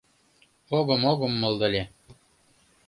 «Огым-огым» малдале.